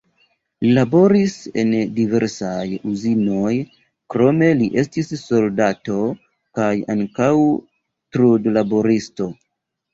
Li laboris en diversaj uzinoj, krome li estis soldato kaj ankaŭ trudlaboristo.